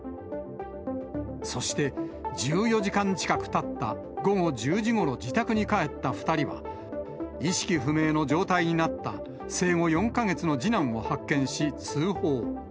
そして、１４時間近くたった午後１０時ごろ、自宅に帰った２人は、意識不明の状態になった生後４か月の次男を発見し、通報。